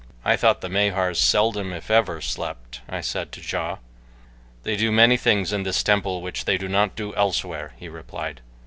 "I thought the Mahars seldom, if ever, slept," I said to Ja. "They do many things in this temple which they do not do elsewhere," he replied.